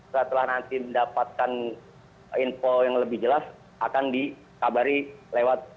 setelah nanti mendapatkan info yang lebih jelas akan dikabari lewat